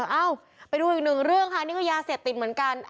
เอ้าไปดูอีกหนึ่งเรื่องค่ะนี่ก็ยาเสพติดเหมือนกัน